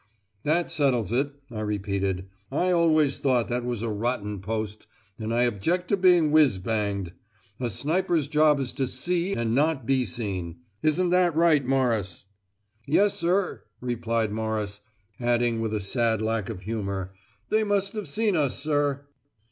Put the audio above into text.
"That settles it," I repeated: "I always thought that was a rotten post; and I object to being whizz banged. 'A sniper's job is to see and not be seen.' Isn't that right, Morris?" "Yes, sir," replied Morris, adding with a sad lack of humour "They must have seen us, sir!"